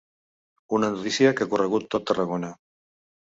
Una notícia que ha corregut tot Tarragona.